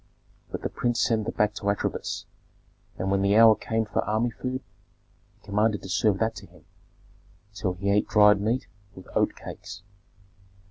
But the prince sent them back to Atribis; and when the hour came for army food, he commanded to serve that to him; so he ate dried meat with oat cakes.